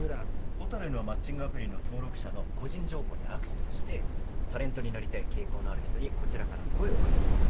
蛍のマッチングアプリの登録者の個人情報にアクセスしてタレントになりたい傾向のある人にこちらから声を掛けていく。